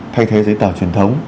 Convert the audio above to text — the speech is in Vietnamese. thay thế giấy tờ truyền thống